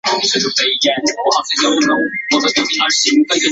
道光五年乙酉科拔贡。